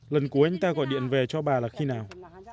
lần cuối anh ta gọi điện về cho bà là khi nào